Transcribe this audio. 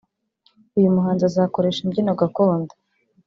uyu muhanzi azakoresha imbyino gakondo